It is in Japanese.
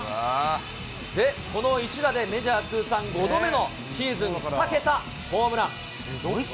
で、この一打で、メジャー通算５度目のシーズン２桁ホームラン。